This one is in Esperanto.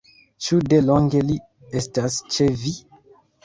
Ĉu de longe li estas ĉe vi?